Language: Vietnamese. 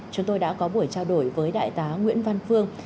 chúng tôi đã có buổi trao đổi với đại tá nguyễn văn phương